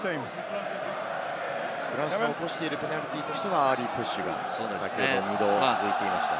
フランスが起こしているペナルティーとしてはアーリープッシュがありますね。